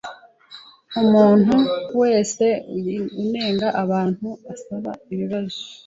Umuntu wese unenga aba asaba ibibazo.